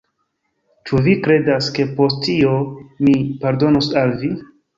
Ĉu vi kredas, ke post tio mi pardonos al vi?